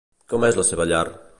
Com és la seva llar?